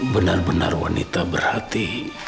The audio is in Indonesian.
benar benar wanita berhati